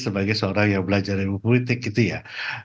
sebagai seorang yang belajar dari politik gitu ya